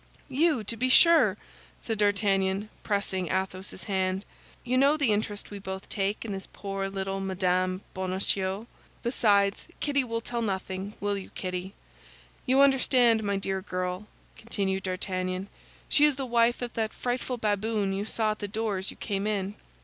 "You, to be sure!" said D'Artagnan, pressing Athos's hand. "You know the interest we both take in this poor little Madame Bonacieux. Besides, Kitty will tell nothing; will you, Kitty? You understand, my dear girl," continued D'Artagnan, "she is the wife of that frightful baboon you saw at the door as you came in."